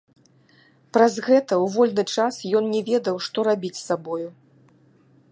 Праз гэта ў вольны час ён не ведаў, што рабіць з сабою.